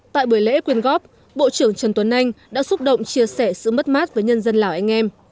tại buổi lễ quyên góp bộ trưởng trần tuấn anh đã xúc động chia sẻ sự mất mát với nhân dân lào anh em